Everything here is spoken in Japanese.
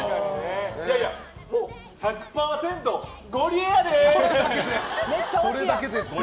いやいや、１００％ゴリエやで！